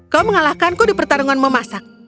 kau mengalahkanku di pertarungan memasak